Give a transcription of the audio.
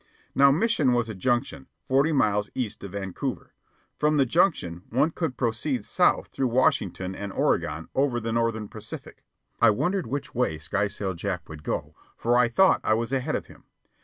Now Mission was a junction, forty miles east of Vancouver. From the junction one could proceed south through Washington and Oregon over the Northern Pacific. I wondered which way Skysail Jack would go, for I thought I was ahead of him.